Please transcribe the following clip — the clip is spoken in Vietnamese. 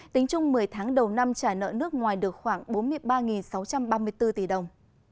tính chung một mươi tháng đầu năm trả nợ nước ngoài được khoảng bốn mươi ba sáu trăm ba mươi bốn tỷ đồng